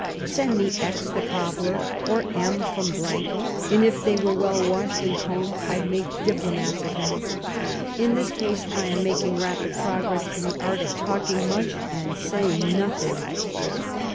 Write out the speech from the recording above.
... Send me X. the cobbler, or M. from , and if they were well washed and com.bed, Pd make diplomats of them. In this case, I am making rapid progress in the art of talking much and saying nothing.